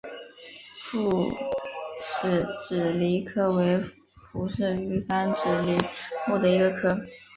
复齿脂鲤科为辐鳍鱼纲脂鲤目的一个科。